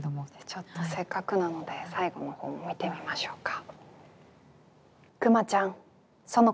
ちょっとせっかくなので最後の方も見てみましょうか。